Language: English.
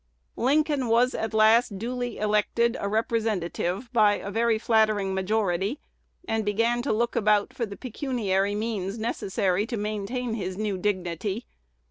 Lincoln was at last duly elected a Representative by a very flattering majority, and began to look about for the pecuniary means necessary to maintain his new dignity.